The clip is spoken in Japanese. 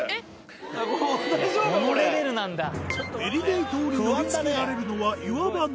エリデイ島に乗りつけられるのは岩場のみ。